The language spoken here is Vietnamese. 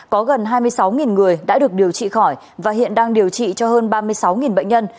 có gần hai mươi sáu người đã được điều trị khỏi và hiện đang điều trị cho hơn ba mươi sáu bệnh nhân